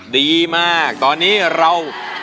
ดีมากตอนนี้เรา